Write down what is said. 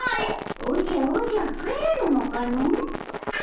おじゃおじゃ帰らぬのかの。